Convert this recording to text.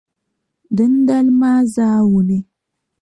Dindali maa zaawuni,